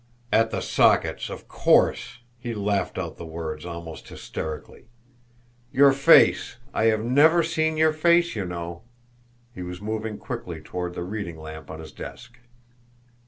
"At the sockets of course!" He laughed out the words almost hysterically. "Your face I have never seen your face, you know." He was moving quickly toward the reading lamp on his desk.